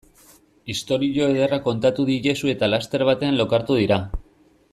Istorio ederra kontatu diezu eta laster batean lokartu dira.